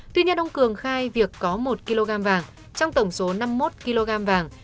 tuy nhiên ông cường khai việc có một kg vàng trong tổng số năm mươi một kg vàng